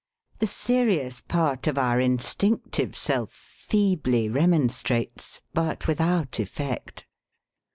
The serious part of our instinctive self feebly remonstrates, but without effect.